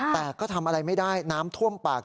แต่ก็ทำอะไรไม่ได้น้ำท่วมปาก